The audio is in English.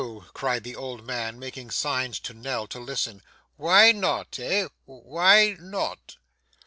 cried the old man, making signs to Nell to listen, 'why not, eh? why not?